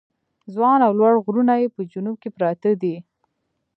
ځوان او لوړ غرونه یې په جنوب کې پراته دي.